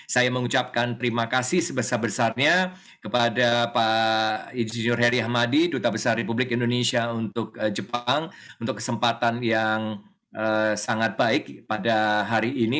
saya mengucapkan terima kasih sebesar besarnya kepada pak insinyur heri ahmadi duta besar republik indonesia untuk jepang untuk kesempatan yang sangat baik pada hari ini